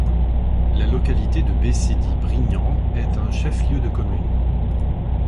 La localité de Bécédi-Brignan est un chef-lieu de commune.